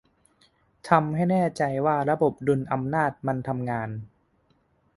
ทำให้แน่ใจว่าระบบดุลอำนาจมันทำงาน